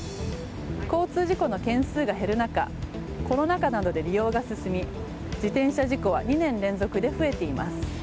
交通事故の件数が減る中コロナ禍などで利用が進み自転車事故は２年連続で増えています。